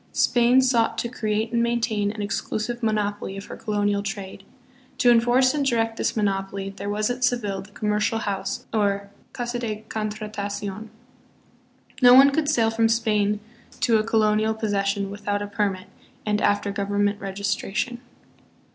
Spain sought to create and maintain an exclusive monopoly of her colonial trade. To enforce and direct this monopoly, there was .at Seville the Commercial House, or "Casa de Contratacion." No one could sail from Spain to a colonial possession without a permit and after government registration.